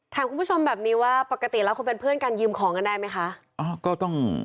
ถามคุณผู้ชมแบบนี้ว่าปกติแล้วคนเป็นเพื่อนกันยืมของกันได้ไหมคะก็ต้อง